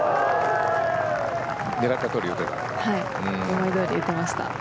狙いどおり打てました。